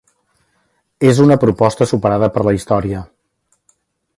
És una proposta superada per la història.